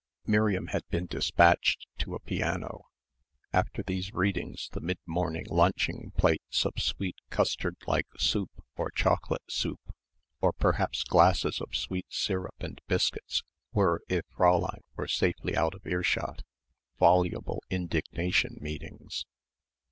Miriam had been despatched to a piano. After these readings the mid morning lunching plates of sweet custard like soup or chocolate soup or perhaps glasses of sweet syrup and biscuits were, if Fräulein were safely out of earshot, voluble indignation meetings.